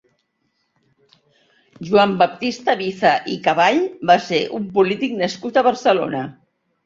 Joan Baptista Viza i Caball va ser un polític nascut a Barcelona.